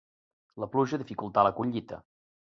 La pluja dificultà la collita.